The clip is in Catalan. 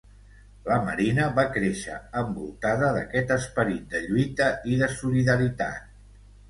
La Marina va créixer envoltada d'aquest esperit de lluita i de solidaritat.